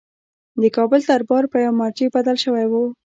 د کابل دربار په یوه مرجع بدل شوی وو.